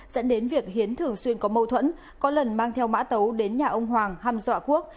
dẫn đến việc hiến thường xuyên có mâu thuẫn có lần mang theo mã tấu đến nhà ông hoàng ham dọa quốc